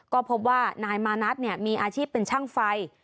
ก็พบว่านายมานัทมีอาชีพเป็นช่างไฟ